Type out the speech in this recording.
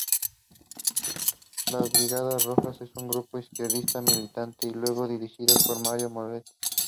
Las Brigadas Rojas eran un grupo izquierdista militante, y luego dirigidas por Mario Moretti.